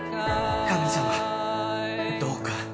「神様どうか！」